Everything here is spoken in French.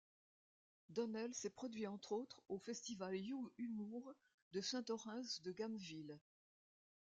Donel s'est produit entre autres au festival Youhumour de Saint-Orens-de-Gameville.